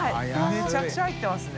めちゃくちゃ入ってますね。